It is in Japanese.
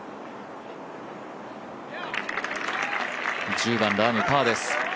１０番、ラーム、パーです。